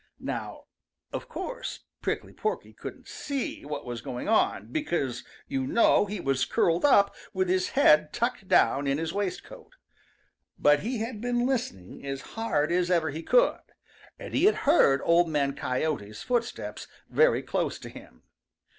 Now, Of course Prickly Porky couldn't see what was going on, because, you know, he was curled up with his head tucked down in his waistcoat. But he had been listening as hard as ever he could, and he had heard Old Man Coyote's footsteps very close to him.